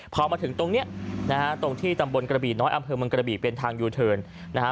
พอมาถึงตรงเนี้ยนะฮะตรงที่ตำบลกระบี่น้อยอำเภอเมืองกระบี่เป็นทางยูเทิร์นนะฮะ